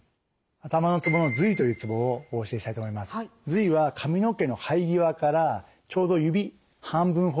頭維は髪の毛の生え際からちょうど指半分ほどですね